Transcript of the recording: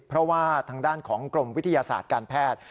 เพราะว่าทางด้านของกรมวิทยาศาสตร์การแพทย์